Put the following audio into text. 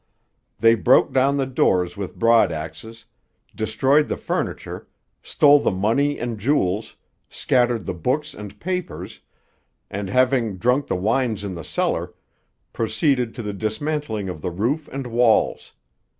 They broke down the doors with broadaxes, destroyed the furniture, stole the money and jewels, scattered the books and papers, and, having drunk the wines in the cellar, proceeded to the dismantling of the roof and walls.